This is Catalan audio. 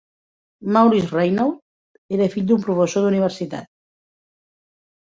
Maurice Raynaud era fill d"un professor d"universitat.